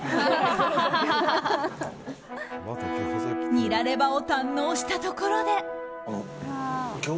ニラレバを堪能したところで。